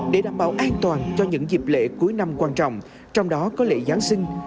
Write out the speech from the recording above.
để đảm bảo an toàn cho những dịp lễ cuối năm quan trọng trong đó có lễ giáng sinh